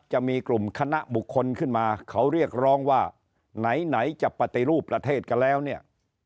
จะมีกลุ่มคณะบุคคลขึ้นมาเขาเรียกร้องว่าไหนไหนจะปฏิรูปประเทศกันแล้วเนี่ย